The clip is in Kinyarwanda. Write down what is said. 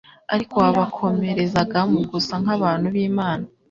Ariko wabakomerezaga mu gusa nk'abantu b'Imana,